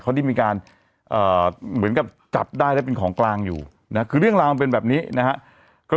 เขาได้มีการเหมือนกับจับได้แล้วเป็นของกลางอยู่นะคือเรื่องราวมันเป็นแบบนี้นะฮะ